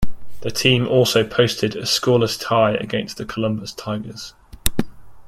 The team also posted a scoreless tie against the Columbus Tigers.